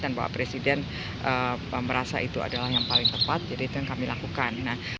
dan bahwa presiden merasa itu adalah yang paling tepat jadi itu yang kami lakukan